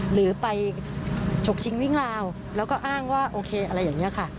หรือไปฉกชิงวิ่งราวแล้วก็อ้างว่าโอเคอะไรอย่างนี้ค่ะ